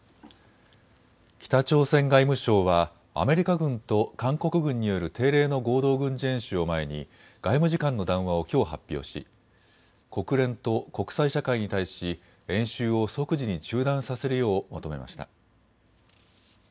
北朝鮮外務省はアメリカ軍と韓国軍による定例の合同軍事演習を前に外務次官の談話をきょう発表し国連と国際社会に対し演習を即時に中断させるよう求めました。